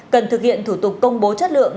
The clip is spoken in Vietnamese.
cần thực hiện thủ tục công bố chất lượng